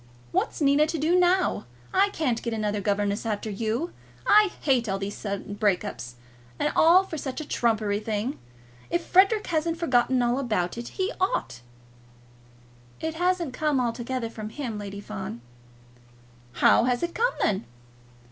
What's Nina to do now? I can't get another governess after you. I hate all these sudden breaks up. And all for such a trumpery thing. If Frederic hasn't forgotten all about it, he ought." "It hasn't come altogether from him, Lady Fawn." "How has it come, then?"